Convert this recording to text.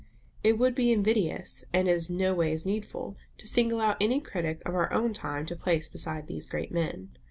It would be invidious, and is noways needful, to single out any critic of our own time to place beside these great men.